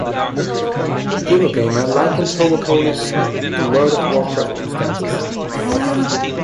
Eurogamer likened Hobopolis to World of Warcraft instances.